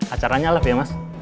acaranya live ya mas